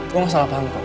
gue gak salah paham kok